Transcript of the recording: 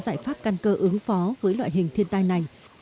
giải pháp căn cơ ứng phó với loại hình thiên tai này